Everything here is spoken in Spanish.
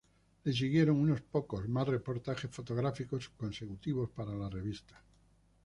Le siguieron unos pocos más reportajes fotográficos consecutivos para la revista.